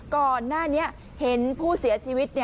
ก่อนหน้านี้เห็นผู้เสียชีวิต